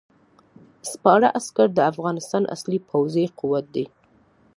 سپاره عسکر د افغانستان اصلي پوځي قوت دی.